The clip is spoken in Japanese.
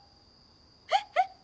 えっえっ